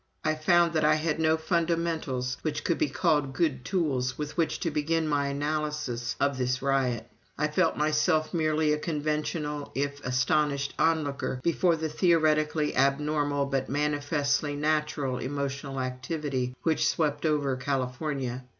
I found that I had no fundamentals which could be called good tools with which to begin my analysis of this riot. And I felt myself merely a conventional if astonished onlooker before the theoretically abnormal but manifestly natural emotional activity which swept over California.